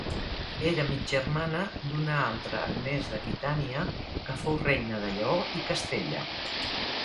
Era mig germana d'una altra Agnès d'Aquitània, que fou reina de Lleó i Castella.